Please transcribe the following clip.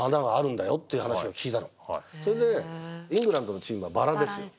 それでイングランドのチームはバラですよ。